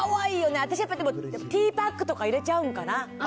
私でもやっぱ、ティーパックとか入れちゃうんかな。